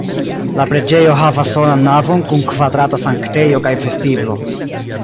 La preĝejo havas solan navon kun kvadrata sanktejo kaj vestiblo.